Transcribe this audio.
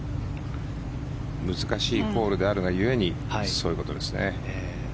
難しいホールであるが故にそういうことですね。